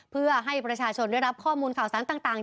เพื่อให้ประชาชนได้รับข้อมูลข่าวสารต่าง